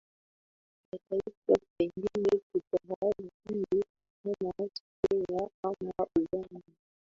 za taifa pengine tutarajie kama si kenya ama uganda